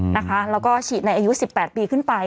แล้วก็จึงด้วยใช้ค่อยในอายุ๑๘ปี